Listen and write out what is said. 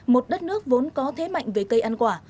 một đất nước vốn có thế mạnh về cây ăn quả